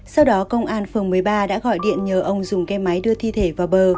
sau đó công an phường một mươi ba đã gọi điện nhờ ông dùng cái máy đưa thi thể vào bờ